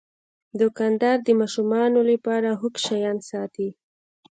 دوکاندار د ماشومانو لپاره خوږ شیان ساتي.